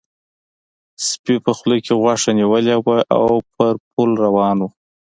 سپي په خوله کې غوښه نیولې وه او په پل روان و.